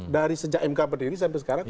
dari sejak mk berdiri sampai sekarang